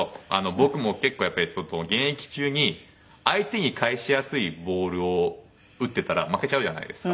僕も結構現役中に相手に返しやすいボールを打ってたら負けちゃうじゃないですか。